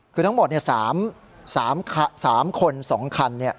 คือทั้งหมด๓คน๒คัน